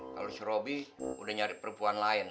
kalau si robi udah nyari perempuan lain